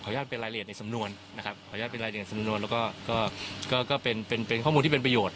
ญาตเป็นรายละเอียดในสำนวนนะครับขออนุญาตเป็นรายละเอียดสำนวนแล้วก็ก็เป็นเป็นข้อมูลที่เป็นประโยชน